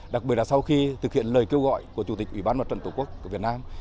đặc biệt là sau khi thực hiện lời kêu gọi của chủ tịch ủy ban mặt trận tổ quốc của việt nam